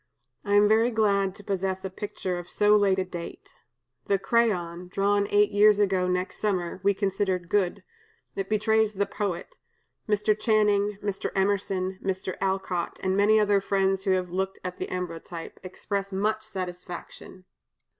I am very glad to possess a picture of so late a date. The crayon, drawn eight years ago next summer, we considered good; it betrays the poet. Mr. Channing, Mr. Emerson, Mr. Alcott, and many other friends who have looked at the ambrotype, express much satisfaction.'"